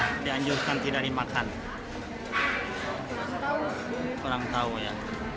kurang tahu ya